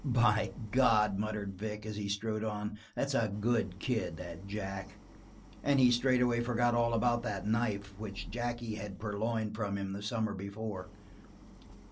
"By God," muttered Vic, as he strode on, "that's a good kid, that Jack." And he straightway forgot all about that knife which Jackie had purloined from him the summer before.